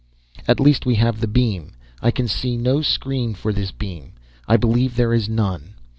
"At least, we have the beam. I can see no screen for this beam. I believe there is none.